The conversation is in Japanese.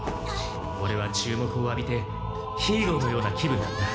オレは注目を浴びてヒーローのような気分だった。